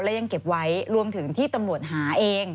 และยังเก็บไว้รวมถึงที่ตำรวจหาเอง